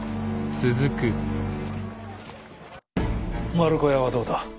丸子屋はどうだ？